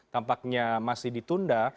tampaknya masih ditunda